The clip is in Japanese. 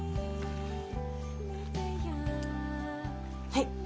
はい。